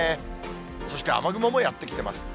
そして雨雲もやって来てます。